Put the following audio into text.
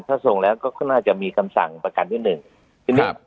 ถ้าส่งแล้วก็ก็น่าจะมีคำสั่งประกันที่หนึ่งทีนี้